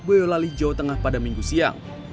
boyolali jawa tengah pada minggu siang